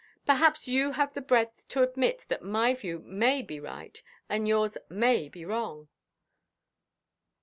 Perhaps you have the breadth to admit that my view may be right, and yours may be wrong."